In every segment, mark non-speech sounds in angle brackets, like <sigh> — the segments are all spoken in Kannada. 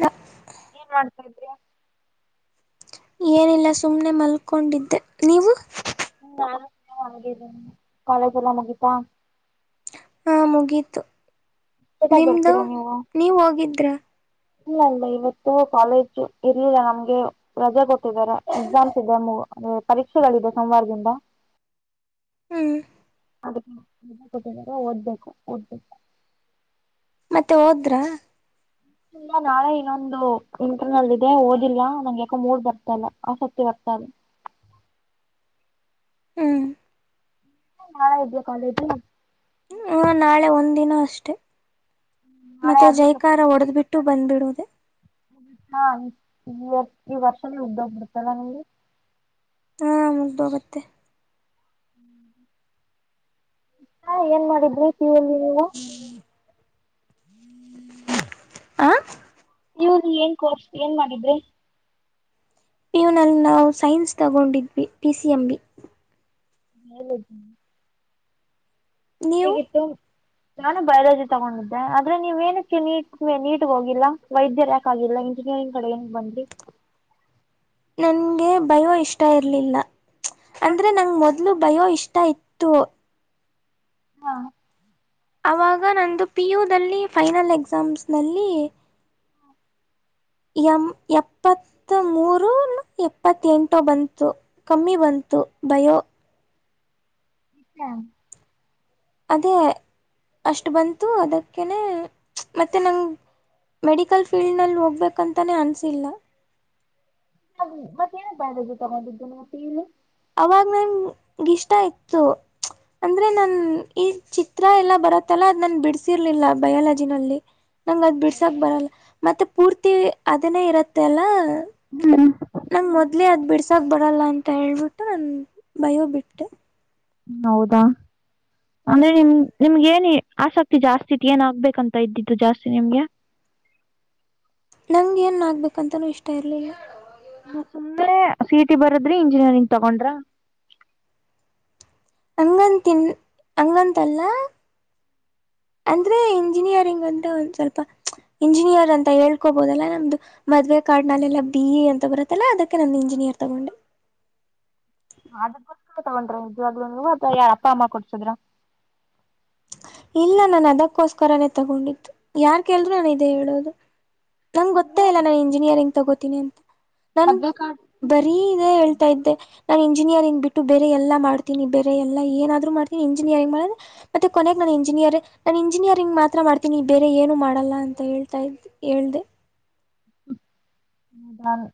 ನ ಏನ್ ಮಾಡ್ತಾ ಇದ್ರಿ ಏನಿಲ್ಲ ಸುಮ್ಮ್ನೆ ಮಲ್ಕೊಂಡಿದ್ದೆ ನೀವು ಹ್ಮ ಕಾಲೇಜ್ ಎಲ್ಲ ಮುಗೀತಾ ಹಾ ಮುಗೀತು ಜೊತೆಗ್ ನಿಮ್ದು ಬರ್ತೀರಾ ನೀವು ನೀವ್ ಹೋಗಿದ್ರ ಇಲ್ಲ ಇಲ್ಲ ಇವತ್ತು ಕಾಲೇಜ್ ಇರ್ಲಿಲ್ಲ ನಮ್ಗೆ ರಜೆ ಕೊಟ್ಟಿದ್ದಾರೆ ಎಕ್ಸಾಮ್ಸ್ ಇದೆಂದೆ ಪರೀಕ್ಷೆಗಳಿದೆ ಸೋಮವಾರದಿಂದ ಹ್ಮ್ ಅದಕ್ಕೆಟ್ಟ ಓದ್ಬೇಕು ಓದ್ಬೇಕು ಮತ್ತೆ ಹೋದ್ರ ಇಲ್ಲ ನಾಳೆ ಇನ್ನೊಂದು ಇಂಟರ್ನಲ್ಲಿ ಇದೆ ಓದಿಲ್ಲ ನಂಗೆ ಯಾಕೊ ಮೂರ್ ಬರ್ತಲ್ಲ ಆಸಕ್ತಿ ಬರ್ತದೆ ಹ್ಮ್ ನಾಳಾ ಇದ್ಯಾ ಕಾಲೇಜ್ ಹ ನಾಳೆ ಒಂದ್ ದಿನ ಅಷ್ಟೆ ನಾಳೆ ಮತ್ತೆ ಆದ್ಮೇಲೆ ಜೈಕಾರ ಒಡೆದ್ ಬಿಟ್ಟು ಬಂದ್ಬಿಟ್ಟು ಹದು ವತ್ತು ವರ್ಷನ ಮುಗ್ದೋಗ್ಬಿಡುತ್ತಲ್ಲ ನಿಮಗೆ ಹಾ ಮುಗ್ದೋಗತ್ತೆ ಏನ್ ಮಾಡಿದ್ರಿ ಕ್ಯೂ ಅಲ್ಲಿ ಹ ಪಿಯು ಅಲ್ಲಿ ಏನ್ ಕೋರ್ಸ್ ಏನ್ ಮಾಡಿದ್ರಿ ಪಿಯೂನಲ್ಲಿ ನಾವು ಸೈನ್ಸ್ ತಗೊಂಡಿದ್ವಿ ಪಿ ಸಿ ಎಂ ಬಿ ಹ ನೀವು ಹೇಗಿತ್ತು ನಾನು ಬಯಾಲಜಿ ತಗೊಂಡಿದ್ದೆ ಆದ್ರೆ ನೀವ ಏನಕ್ಕೆ ನೀಟ್ ನೀಟ್ಗ ಹೋಗಿಲ್ಲ ವೈದ್ಯ ರ ಯಾಕಾಗಿಲ್ಲ ಇಂಜಿನಿಯರಿಂಗ್ ಕಡೆ ಏನ ಬಂದ್ರಿ ನನ್ಗೆ ಬಯೋ ಇಷ್ಟ ಇರ್ಲಿಲ್ಲ ಯಾಕೆ ಅಂದ್ರೆ ನಂಗ ಮೊದ್ಲು ಬಯೋ ಇಷ್ಟ ಇತ್ ಟು ಹಾ ಅವಾಗ ನಂದು ಪಿ ಯು ದದಲ್ಲಿ ಫೈನಲ್ ಎಕ್ಸಾಮ್ಸ್ನಲ್ಲಿ ಎಂ ಎಪ್ಪತ್ ಮೂರು ಎಪ್ಪತ್ತ ಎಂಟು ಬಂತು ಕಮ್ಮಿ ಬಂತು ಬಯೋ <unintelligible> ಅದೇ ಅಷ್ಟು ಬಂತು ಅದಕ್ಕೇ ಮತ್ತೆ ನಂಗೆ ಮೆಡಿಕಲ್ ಫೀಲ್ಡ್ ನಲ್ಲಿ ಹೋಗ್ಬೇಕಂತಾನೇ ಅನಿಸಿಲ್ಲ ಹಾಗ ಮತ್ತ ಏನಕ್ ಬಯಲಜಿ ತಗೊಂಡಿದ್ದು ಅವಾಗ ನಂಗ ಇಷ್ಟ ಇತ್ತು ಅಂದ್ರೆ ನನ್ ಈ ಚಿತ್ರ ಎಲ್ಲಾ ಬರತ್ತಲ್ಲ ಅದ ನಾನ್ ಬಿಡ್ಸಿರ್ಲಿಲ್ಲ ಬಯಾಲಜಿನಲ್ಲಿ ನಂಗ ಬಿಡ್ಸಕ್ ಬರಲ್ಲ ಮತ್ತೆ ಪೂರ್ತಿ ಅದನ್ನೇ ಇರುತ್ತೆ ಅಲ್ಲ ಹ್ಮ್ ನಂ ಮೊದ ಮೊದಲು ಅದ ಬಿಡಸಾಕ್ ಬರಲ್ಲ ಅಂತ ಹೇಳು ನನ್ ಬಯೋ ಬಿಟ್ಟೆ ಹ್ಮ ಹೌದಾ ಅಂದ್ರೆ ಹ್ಞೂ ನಿಮ ನಿಮ್ಗೆ ಏನ ಆಸಕ್ತಿ ಜಾಸ್ತಿತ್ ಏನ್ ಆಗ್ಬೇಕಂತ ಇದ್ದಿದ್ದು ಜಾಸ್ತಿ ನಿಮ್ಗೆ ನಂಗ ಏನ್ ಆಗ್ಬೇಕಂತನೂ ಇಷ್ಟ ಇರ್ಲಿಲ್ಲ ಸುಮ್ಮ್ನೆ ಸಿಟಿ ಬರದ್ರಿ ಇಂಜಿನಿಯರಿಂಗ್ ತಗೊಂಡ್ರ ಹಂಗಂತನ್ ಹಂಗಂತಲ್ಲ ಅಂದ್ರೆ ಇಂಜಿನಿಯರಿಂಗ್ ಅಂತ್ರೆ ಒಂದ್ ಸ್ವಲ್ಪ ಇಂಜಿನಿಯರ್ ಅಂತ ಹೇಳ್ಕೊಬೋದಲ್ಲ ನಮ್ದು ಮದುವವೆ ಕಾರ್ಡ್ನಲ್ಲೆಲ್ಲ ಬಿ ಎ ಅಂತ ಬರುತ್ತಲ್ಲ ಅದಕ್ಕೆ ನಮ್ದು ಇಂಜಿನಿಯರ್ ತಗೊಂಡೆ ಅದ ಬರ್ಕ ತಗೊಂಡ್ರ ಇದಜವಾಗ್ಲು ನೀವ ಅ ಯಾರ್ ಅಪ್ಪ ಅಮ್ಮ ಕೊಡ್ಸದ್ರ ಇಲ್ಲ ನನ್ ಅದಕ್ಕೋಸ್ಕರನೇ ತಗೊಂಡಿತ್ತು ಯಾರ್ ಕೆಲ್ರು ನಾನು ಇದ ಹೇಳೋದು ನಂಗೆೊತ್ತ ಅಂದರೆ ಇಲ್ಲ ನನ್ ಇಂಜಿನಿಯರಿಂಗ್ ತಗೋತೀನಿ ಅಂತ ನನ್ ಮೊದಲೇ ಕಾಡ್ ಬರೀ ಇದೆ ಹೇಳ್ತಾ ಇದ್ದೆ ನಾನು ಇಂಜಿನಿಯರಿಂಗ್ ಬಿಟ್ಟು ಬೇರೆ ಎಲ್ಲಾ ಮಾಡ್ತನಿ ಎಲ್ಲ ಏನಾದ್ರು ಮಾಡತನಿ ಇಂಜಿನಿಯರಿಂಗ್ ಮಾಡಿದ್ರೆ ಮತ್ತೆ ಕೊನೆ ನಾನನ್ ಇಂಜಿನಿಯರ್ ನಾನನ್ ಇಂಜಿನಿಯರಿಂಗ್ ಮಾತ್ರ ಮಾಡ್ತೀನಿ ಬೇರೆ ಏನು ಮಾಡಲ್ಲ ಅಂತ ಹೇಳ್ತಾ ಇದ ಹೇಳ್ದ ಮದನ್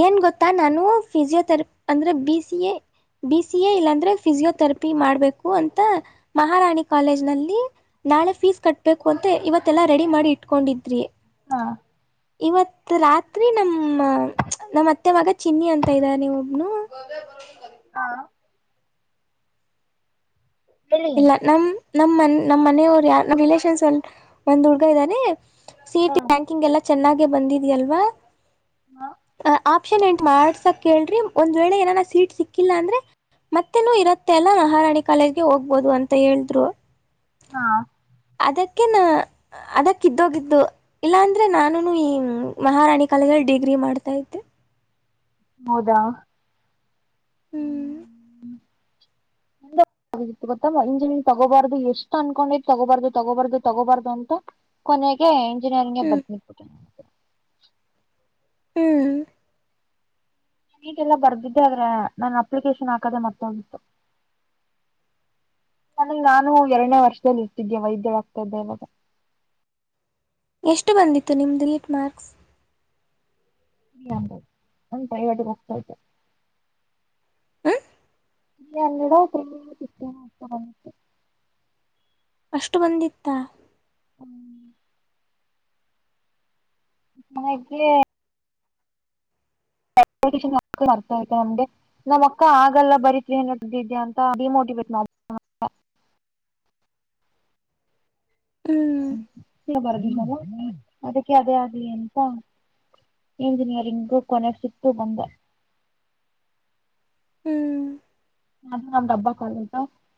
ಏನ್ ಗೊತ್ತಾ ನಾನು ಫಿಸಿಯೋಥೆರಪ್ ಅಂದ್ರೆ B C A B C A ಇಲ್ಲಾಂದ್ರೆ ಫಿಸಿಯೋಥೆರಪಿ ಮಾಡ್ಬೇಕು ಅಂತ ಮಹಾರಾಣಿ ಕಾಲೇಜ್ನಲ್ಲಿ ನಾಳೆ ಫೀಸ್ ಕಟ್ಬೇಕು ಅಂತ ಇವತ್ತೆಲ್ಲ ರೆಡಿ ಮಾಡಿ ಇಟ್ಕೊಂಡಿದ್ರಿ ಹಾ ಇವತ್ತು ರಾತ್ರಿ ನಮ್ಮ ಹ ನಮ್ಮ್ತ್ತೆ ಮಾಗ ಚಿನ್ನಿ ಅಂತ ಇದಾರೆ ನೀವು ನ ಹಾಂ ಹೇಳಿ ಇಲ್ಲ ನಮ ನಮ್ನ್ ನಮ್ಮ್ ಮನೆಯವರು ಯ ನ್ ರಿಲೇಷನ್ಸ್ ಅಲ್ಲಿ ಒಂದ್ ಹುಡ್ಗ ಇದ್ದಾರೆೆ ಸಿಟಿ ಹಾಂ ರ್ಯಾಂಕಿಂಗ್ ಎಲ್ಲ ಚೆನ್ನಾಗಿ ಬಂದಿದ ಅಲ್ವಾ. ಅ ಆ. ಪ್ನ್ ಎಂಟ್ ಮಾಡ್ಸಕ್ ಕೇಳ್ರಿ ಒಂದ್ ವೇಳೆ ಏನಾರ ಸೀಟ್ ಸಿಕ್ಕಿಲ್ಲ ಅಂದ್ರೆ ಮತ್ತೆನು ಇರುತ್ತೆ ಅಲ್ಲ ನ ಹಾರಾಣಡಿ ಕಾಲೇಜ್ಗೆ ಹೋಗ. ಆಗ್ಬೋದು ಅಂತ ಹೇಳಿದ್ರು ಹಾ ಅದಕ್ಕೆ ನ ಅದಕ್ಕ್ದೋಗಿದ್ದು ಇಲ್ಲಾಂದ್ರೆ ನಾನುನು ಈ ಮಹಾರಾಣಿ ಕಾಲದಲ್ಲಿ ಡಿಗ್ರಿ ಮಾಡ್ತಾ ಇದೆ ಹೌದಾ ಹ್ಮ್ ತ್ತು ಗೊತ್ತಂಜನ್ ತಗೋಬಾರ್ದು ಎಷ್ಟು ಅನ್ಕೊಂಡಿ್ ತಗೋಬಾರ್ದು ತಗೋಬಾರ್ದು ತಗೋಬಾರ್ದು ಅಂತ ಕೊನೆಗೆ ನ ಹ್ಮ್ ಬದನಿಪುಟ ಹ್ಮ್ ನ ನೀಟ್ ಎಲ್ಲ ಬರ್ದಿದ್ದೆ ಆದ್ರೆ ನನ್ ಅಪ್ಲಿಕೇಶನ್ ಹಾಕದೆ ಮತ್ತೆಂು ನನಗ್ ನಾನು ಎರಡನೇ ವರ್ಷದಲ್ಲಿ ಇರ್ತಿದ್ದೆ ವೈದ್ಯವ್ತಾ ಇದ್ದೆ ಇವಾಗ. ಎಷ್ಟು ಬಂದಿತ್ತು ನಿಮ್ದು ರೀಟ್ ಮಾರ್ಕ್ಸ್. ದು ನಂದ ಕೈವಟಿಗೆ ಹೋಗ್ತಾತೆ. ಹ್ಮ್ ನೀ ಎಲ್ಲಿಡತೇ. ಅಷ್ಟು ಬಂದಿತ್ತ. ಹ್ಮ್. ಅನಕ್ಕೆ. ನಮಗೆ ನಮ್ಮಕ್ಕ ಆಗಲ್ಲ ಬರೀ ಇದ್ಯಾ ಅಂತ ಡಿಮೋಟಿವೇಟ್ ಮಾಡ. ಹ್ಮ್ ಬ ಅದಕ್ಕೆ ಅದೇ ಆಗ್ಲಿ ಅಂತ ಇಂಜಿನಿಯರಿಂಗ್ ಕೊನೆ ಸಿಕ್ತು ಬಂದ ಹ್ಮ್. ನ ಬ್ಬ ಕಾಲ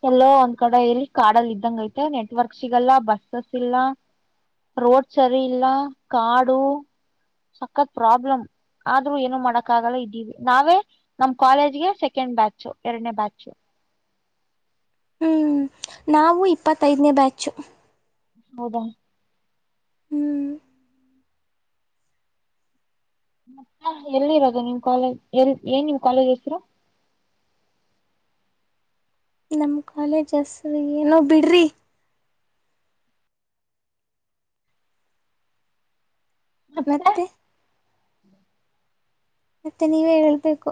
ಎಲ್ಲೋ ಒಂದ್ ಕಡೆ ಎಲ್ಲಿ ಕಾಡಲ್ಲಿ ಇದಂಗ ಐತೆ ನೆಟ್ವರ್ಕ್ ಸಿಗಲ್ಲ ಬಸ್ಸಸ್ ಇಲ್ಲ ರೋಡ್ ಸರಿ ಇಲ್ಲ ಕಾಡು ಸಖತ್ ಪ್ರಾಬ್ಲಮ್ ಆದ್ರೂ ಏನೋ ಮಾಡಕ್ ಆಗಲ್ಲ ಇದ್ದೀವಿ ನಾವೇ ನಮ್ ಕಾಲೇಜ್ಗೆ ಸೆಕೆಂಡ್ ಬ್ಯಾಚ್. ಎನೆ ಬಾಜು ಹ್ಮ್ ನಾವು ಇಪ್ಪತ್ತೈದನೇ ಬ್ಯಾಚು ಹೌದಾ ಹ್ಮ್ ಮತ್ತ ಎಲ್ಲಿ ಇರೋದು ನಿಮ್ ಕಾಲೇಜ್ ಎಲ್ ಏನ್ ನಿಮ್ ಕಾಲೇಜ್ ಹೆಸರು ನಮ್ ಕಾಲೇಜ್ ಹಸರು ಏನೋ ಬಿಡ್ರಿ ಮತ್ತೆ. ಮತ್ತೆ ನೀವೇ ಹೇಳ್ಬೇಕು.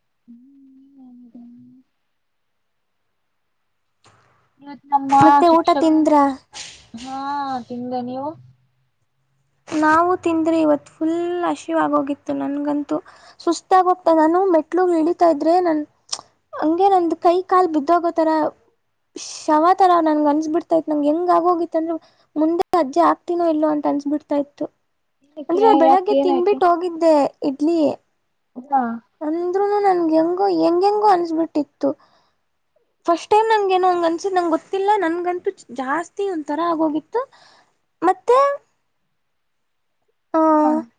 ಹ್ಮ್ ನ. ಇವತ್ ನಮ್ಮ ಮತ್ತೆ ಊಟ ಶಿಕ್ಷಕ್ ತಿಂದ್ರಾ ಹಾ <unintelligible> ಹಿಂದ ನೀವು. ನಾವು ತಿಂದ್ರಿ ಇವತ್ ಫುಲ್ ಹಶಿವ್ ಆಗೋಗಿತ್ತು ನನ್ಗಂತೂ ಸುಸ್ತಾಗ ಹೋಗ್ತಾ ನಾನು ಮೆಟ್ಲುಗ್ ಇಳಿತಾ ಇದ್ರೆ ನನ್ ಹಂಗೆ ನಂದ ಕೈ ಕಾಲ್ ಬಿದ್ದೋಗೋತರ ಶವ ತರ ನನ್ ಅನ್ಸಬಿಡ್ತಾತ್ ನಂಗ್ ಹೆಂಗ ಆಗೋಗಿತ್ತ ಅಂದ್ರೆ ಮುಂದೆ ಅಜ್ಜೆ ಆಗ್ತೀನೋ ಇಲ್ಲೋ ಅಂತ ಅನ್ಸ್ಬಿಡ್ತ. ತ. ಏನಕ್ಕೆ ಅಂದ್ರೆ ಬೆಳಗ್ಗೆ ಯಾಕೆ ತಿನ್ಬಿಟ್ಟ ಹೋಗಿದ್ದೆ ನೀವೇ - <unintelligible> ಹೌದಾ ಅಂದ್ರುನು ನನಗೆ ಹೆಂಗೂ ಹೆಂಗ ಹೆಂಗ ಅನ್ಸಬಿಟ್ಟಿತ್ತು. <unintelligible> ಫಸ್ಟ್ ಟೈಮ್ ನಂಗೆ ಏನ್ ಹಂಗ ಅನ್ಸಿದ್ ನಂಗೆ ಗೊತ್ತಿಲ್ಲ ನನ್ಗಂತು ಜಾಸ್ತಿ ಒಂದ ತರ ಆಗೋಗಿತ್ತು ಮತ್ತೆ, ತಾ <unintelligible>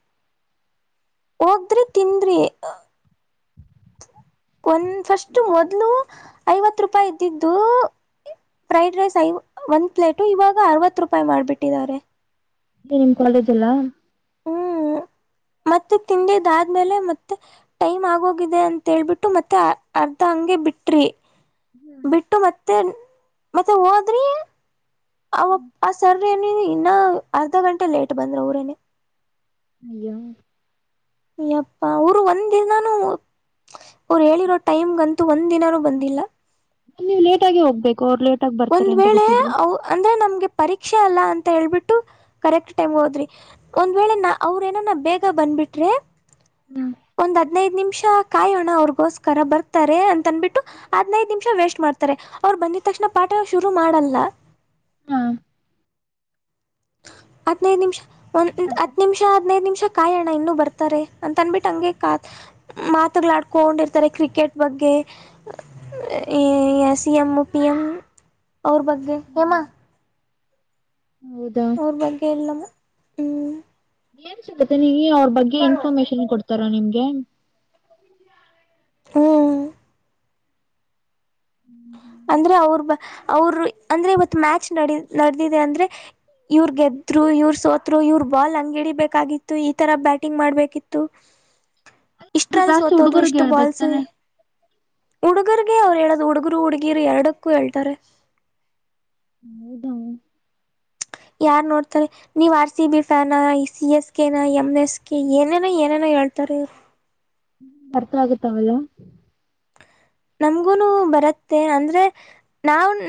ಹೋದದ್ರಿ ತಿಂದ್ರಿ, <unintelligible> ಒಂದ ಫಸ್ಟ್ ಮೊದ್ಲು ಐವತ್ತು ರೂಪಾಯಿ ಇದ್ದಿದ್ದು ಫ್ರೈಡ್ ರೈಸ್ ಐ ಒಂದ್ ಪ್ಲೇಟು ಇವಾಗ ಅರವತ್ ರೂಪಾಯಿ ಮಾಡ್ಬಿಟ್ಟಿದ್ದಾರೆ. ಆಕಿ ನಿಮ್ ಕಾಲೇಜ್ ಅಲ್ಲಾ? <unintelligible> ಹ್ಮ್ ಮತ್ತೆ ತಿಂದದಾದ್ಮೇಲೆ ಮತ್ತೆ ಟೈಮ್ ಆಗೋಗಿದೆ ಅಂತ್ ಹೇಳಿಬಿಟ್ಟು ಮತ್ತೆ ಅರ್ಧ ಹಂಗೆ ಬಿಟ್ರಿ ಹ್ಮ್ ಬಿಟ್ಟು ಮತ್ತೆ ಮತ್ತ ಹೋದ್ರಿ ಅವಪ್ಪಾ ಸರದಿನಿ ಇನ್ನ ಅರ್ಧ ಗಂಟೆ ಲೇಟ್ ಬಂದ್ರ ಅವರೇನೇ ಅಯ್ಯೋ ಯಪ್ಪಾ ಅವರು ಒಂದ್ ದಿನಾನೂ ಅವರು ಹೇಳಿರೋ ಟೈಮ್ಂಗಂತೂ ಒಂದ್ ದಿನಾನೂ ಬಂದಿಲ್ಲ. <unintelligible> ಲೇಟಾಗಿ ಹೋಗ್ಬೇಕು ಅವರ ಲೇ <unintelligible> ಒಂದ್ ವೇಳೆ ಅಂದ್ರೆ ನಮ್ಗೆ ಪರೀಕ್ಷೆ. ಶಕ್ಷೆ ಅಲ್ಲಾ ಅಂತ ಹೇಳ್ಬಿಟ್ಟು ಕರೆಕ್ಟ್ ಟೈಮ್ಗೆ ಹೋದ್ರಿ ಒಂದ್ ವೇಳೆ ನ ಅವ್ರ ಏನಾನ ಬೇಗ ಬಂದ್ಬಿಟ್ರೆ ಒಂದ್ ಹದ್ನೈದ ನಿಮಿಷ ಕಾಯೋಣ ಅವ್ರಗೋಸ್ಕರ ಬರ್ತಾರೆ ಅಂತ ಅನ್ಬಿಟ್ಟು ಹದ್ನೈದ್ ನಿಮಿಷ ವೇಸ್ಟ್ ಮಾಡ್ತಾರೆ ಅವರು ಬಂದಿದ ತಕ್ಷಣ. ಪಾಠ ಶುರು ಮಾಡಲ್ಲ. ಹಾ ಹದ್ನೈದು ನಿಮಿಷ. ಏನ್ ಒಂದ್ ಹತ್ತ ಮಾಡ್ತಾರ ನಿಮಿಷ ಹದನೈದು ನಿಮಿಷ <unintelligible> ಕಾಯೋಣ ಇನ್ನು ಬರ್ತಾರೆ ಅಂತ ಅನ್ಬಿಟ್ಟ ಹಂಗೆ ಕದ ಮಾತುಗಳಾಡ್ಕೊಂಡಿರ್ತಾರೆ ಕ್ರಿಕೆಟ್ ಬಗ್ಗೆ ಏ ಸಿ. ಎಂ. ಪಿಎಂ ಅವರ ಬಗ್ಗೆ ಹೇಮಾ <unintelligible> ಹೌದಾ ಅವರ ಬಗ್ಗೆ ಇಲ್ಲಮ್ಮ <unintelligible> ಹೂ <unintelligible> ಏನ್ <inaudible> ನೀ ರೀ ಅವರ ಬಗ್ಗೆ ಇನ್ಫಾರ್ಮೇಶನ್ ಕೊಡ್ತಾರ ನಿಮ್ದಗೆ. <unintelligible> ಏನ್? <unintelligible> ಹ <unintelligible> ತು ಅವರ ಬ ಅವರು ಅಂದ್ರೆ ಇವತ್ತು ಮ್ಯಾಚ್ ನಡೇಯು ನಡೆದಿದೆ ಅಂದ್ರೆ ಇವ್ರ ಗೆದ್ರು ಇವ್ರ ಸೋತ್ರು ಇವ್ರ ಬಾಲ್ ಹಂಗಹಿಡಿಬೇಕಾಗಿತ್ತು ಈ ತರ ಬ್ಯಾಟಿಂಗ್ ಮಾಡ್ಬೇಕಿತ್ತು. <unintelligible> ಇದು ಪಸ್ಟ್ ಹುಡುಗರ್ ಗೇ ಆಗಬೇಕ್ ತಾನೆ. <unintelligible> ಹುಡುಗುರರ್ಗೆ ಹೇಳುದ ಹುಡುಗ ಹುಡುಗಿ ಹುಡುಗಿಯರು ಎರಡುಕು ಅಳತ್ತಾರೆ. <unintelligible> ಹೌದವು <unintelligible> <unintelligible> ಯಾರ್ ನೋಡ್ತಾರೆ ನೀವ್ ಆರ್ ಸಿ ಬಿ ಫ್ಯಾನ C S ಕೆನಾ M S K ಏನೇನೂ ಏನೇನೂ ಹೇಳ್ತಾರೆ ಇವರು. ಅರ್ಥ ಆಗುತ್ತಾ ಅವ ಎಲ್ಲಾ, <unintelligible> ನಮಗೂ ಬರತ್ತೆ ಅಂದ್ರೆ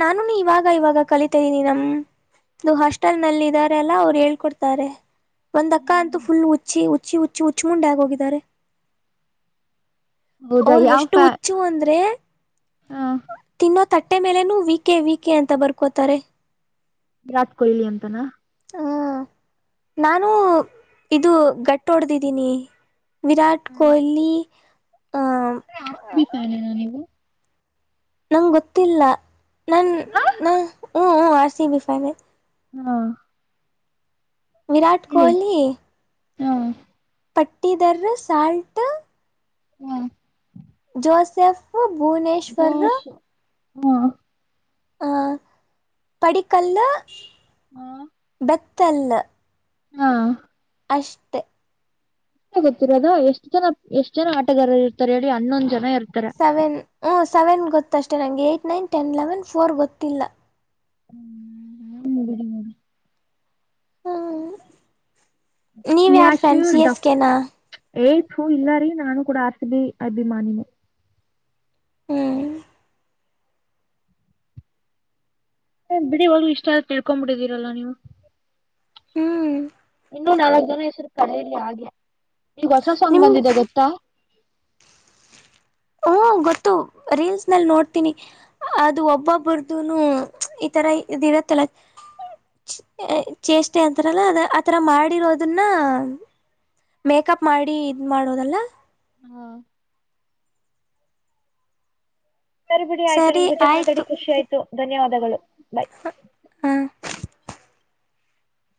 ನಾನುನೂ ಇವಾಗ ಇವಾಗ ಕಲಿತಾ ಇದೀನಿ ನಮ್ದು ಹಾಸ್ಟೆಲ್ ಇದಾರೆ ಅಲ್ಲ ಅವ್ರ ಹೇಳ್ಕೊಡ್ತಾರೆ ಒಂದ್ ಅಕ್ಕ ಅಂತೂ ಫುಲ್ ಹುಚ್ಚಿ ಹುಚ್ಚಿ ಹುಚ್ಚಿ ಹುಚ್ಚಿ ಮುುಂಡೇ ಆಗಿ ಹೋಗಿದ್ದಾರೆ. ಹೌದಾ ಅವ್ರಗೆ ಯಾವ ಎಷ್ಟು ಫ್ಯಾ ಹುಚ್ಚು ಅಂದ್ರೆ <unintelligible> ಹ ಬೈ ತಿನ್ನ್ <unintelligible> ತಟ್ಟೆ ಮೇಲೆನು ವೀಕೆ ವೀಕೆ ಅಂತ ಬರ್ಕೋತಾರೆ. <unintelligible> ವಿರಾಟ್ ಕೊಹ್ಲಿ ಅಂತನಾ? ಹೂ ನಾನು ಇದು ಗಟ್ಟ ಹೊಡ್ದಿದ್ದೀನಿ. <unintelligible> ವಿರಾಟ್ ಕೊಹ್ಲಿ ಆಹ ಅಂದ್ರೆ ಆರ್‌ಸಿಬಿ ಫ್ಯಾನ್ ನೀವು <unintelligible> ನಂಗ ಗೊತ್ತಿಲ್ಲ? ಹಾ ನನ್ನನ್ <unintelligible> ಹು ಹು ಆರ್ ಸಿ ಬಿ ಪೈನೇ ಹಾ ವಿರಾಟ್ ಕೊಹಲಿ ಹಾ ಪಟ್ಟಿದರ ಸಾಲ್ಟ್ ಹ್ಮ ಜೋಸೆಫ್ ಭುವನೇಶ್ವರ್ ಹ್ಮ ಹ ಪಡಿಕಲ್ಲ್ಲ ಹಾ ಬಟ್ <unintelligible> ತಲ್ಲ <unintelligible> ಹಾ ಅಷ್ಟೇ ಗೊತ್ತಿರೋದಾ ಎಷ್ಟು ಜನ ಎಷ್ಟ್ ಜನ ಆಟಗಾರರು ಇರ್ತಾರೆ ಹೇಳಿ ಹನ್ನೊಂದ ಜನ ಇರ್ತಾರೆ ಸೆವೆನ್ ಹ್ಮ ಸೆವೆನ್ ಗೊತ್ತಷ್ಟೆ ಮ ನಂಗೆ eight nine ten eleven four ಗೊತ್ತಿಲ್ಲ ಹ್ಮ ಹ ಬಿಡಿ ಮಡಿ ಹ್ಮ್ ನೀವ್ ಯಾರ್ ಫ್ರ್ಯಾಸು ಸಿ ಎಸ್ ಕೆ ನಾ ಏಯ್ತು ಇಲ್ಲಾರಿೀ ನಾನು ಕೂಡ ಆರ್ಸಬಿ ಅಭಿಮಾನಿನೇ ಹ್ಮ್ ಬಿಡಿ ಒ್ ಇಷ್ಟ ಆದ ತಿಳ್ಕೊ್ ಬಿಿಡಿದೀರಲ್ಲಾ ನೀವು ಹ್ಮ್ ಇನ್ನುೂ ನಾಲ್ಕ ಜನ ಹೆಸರುತಾರೆ ಇಲ್ಲಿ ಹಾಗೆ ಈಗ ಹೊಸ ಸಂಂಗ್ ನಿಮ್ ಬಂದಿದೆ ಗೊತ್ತಾ ಹ್ಮ ಗೊತ್ತು ರೀಲ್ಸ್ ನಲ್ಲಿ ನೋಡ್ತೀನಿ ಅದು ಒಬ್ಬೊಬ್ಬರದುನು ಈತರ ಇದ ಇರತ್ತಲ್ಲ ಚೇಷ್ಟೆ ಅಂತಾರಲ್ಲ ಅ ಆತರ ಮಾಡಿರೋದನ್ನ ಮೇಕಪ್ ಮಾಡಿ ಇದ್ ಮಾಡೋದಲ್ಲ ಹಾ ಸರಿ ಬಿಿಡಿ ಆಯತು ನಿಮ್ ಸರಿ ಜೊತೆ ಮಾತಾಡಿ ಆಯ್ತು ಖುಷ ಆಯ್ತು ಧನ್ಯವಾದಗಳು ಬಾಯ್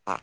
ಹಾ